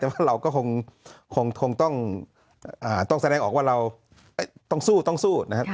แต่ว่าเราก็คงต้องแสดงออกว่าเรายังต้องสู้